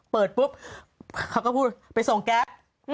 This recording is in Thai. เปิดปุ๊บเขาก็พูดไปส่งแก๊ส